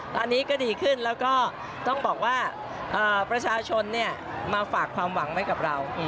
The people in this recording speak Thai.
ตอนนี้ก็ดีขึ้นแล้วก็ต้องบอกว่าประชาชนมาฝากความหวังไว้กับเรา